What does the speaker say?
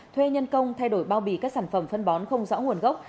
thuê nhân công thay đổi bao bì các sản phẩm phân bón không rõ nguồn gốc